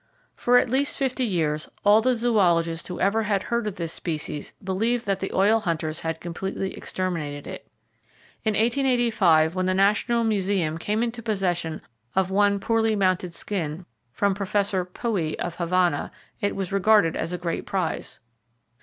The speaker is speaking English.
—For at least fifty years, all the zoologists who ever had heard of this species believed that the oil hunters had completely exterminated it. In 1885, when the National Museum came into possession of one poorly mounted skin, from Professor Poey, of Havana, it was regarded as a great prize.